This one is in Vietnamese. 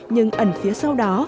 nhưng ẩn phía sau đó